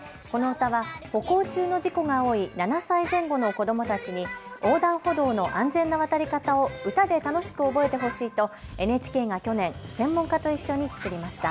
この歌は歩行中の事故が多い７歳前後の子どもたちに横断歩道の安全な渡り方を歌で楽しく覚えてほしいとＮＨＫが去年、専門家と一緒に作りました。